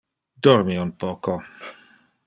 Dormi un poco.